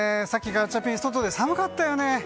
さっきガチャピン外で寒かったよね。